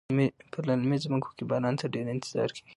په للمي ځمکو کې باران ته ډیر انتظار کیږي.